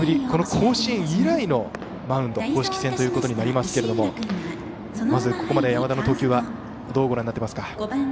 この甲子園以来のマウンド公式戦となりますけれどもまずここまで山田の投球はどうご覧になっていますか。